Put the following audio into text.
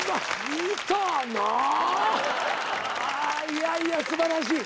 いやいやすばらしい。